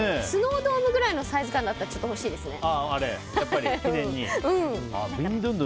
スノードームくらいのサイズ感だったらちょっと欲しいですね。